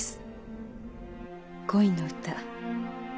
恋の歌。